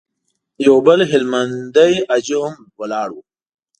يو بل هلمندی حاجي هم ولاړ و.